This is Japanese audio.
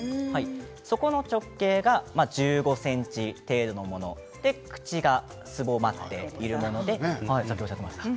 底の直径が１５ｃｍ程度のもの口がすぼまっているものでさっきおっしゃっていました。